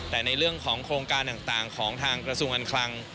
แต่ในเรื่องของโครงการต่างของทางกระทรวงการคลัง